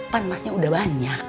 pan emasnya udah banyak